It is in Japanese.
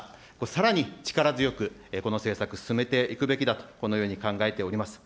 さらに力強く、この政策、進めていくべきだと、このように考えております。